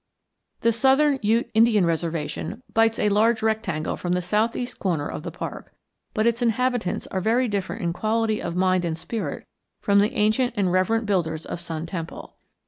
The Southern Ute Indian Reservation bites a large rectangle from the southeast corner of the park, but its inhabitants are very different in quality of mind and spirit from the ancient and reverent builders of Sun Temple.